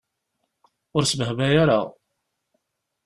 Ur sbehbay ara.